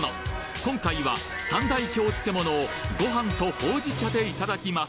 今回は三大京漬物をご飯とほうじ茶でいただきます